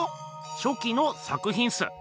初期の作品っす。